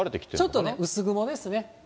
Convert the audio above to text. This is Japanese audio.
ちょっとね、薄雲ですね。